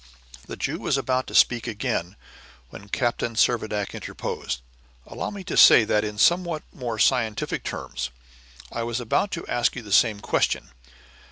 The Jew was about to speak again, when Captain Servadac interposed: "Allow me to say that, in somewhat more scientific terms, I was about to ask you the same question.